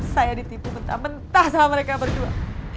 saya ditipu mentah mentah sama mereka berdua